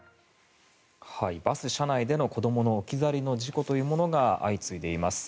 バス車内での子どもの置き去りの事故というものが相次いでいます。